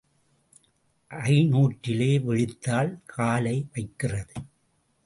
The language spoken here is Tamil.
ஐந்நூற்றிலே விழித்தாள் காலை வைக்கிறது.